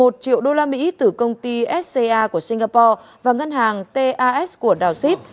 một mươi một triệu usd từ công ty sca của singapore và ngân hàng tas của đào xít